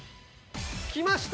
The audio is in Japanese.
きました！